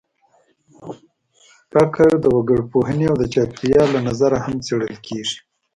فقر د وګړپوهنې او د چاپېریال له نظره هم څېړل کېږي.